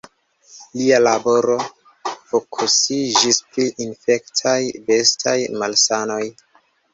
Lia laboro fokusiĝis pri infektaj bestaj malsanoj.